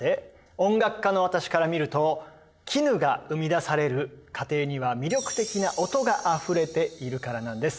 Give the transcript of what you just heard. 音楽家の私から見ると絹が生み出される過程には魅力的な音があふれているからなんです。